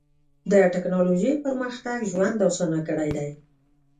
د ټکنالوجۍ پرمختګ ژوند اسان کړی دی.